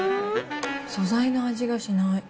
素材の味がしない。